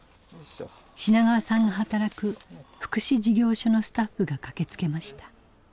品川さんが働く福祉事業所のスタッフが駆けつけました。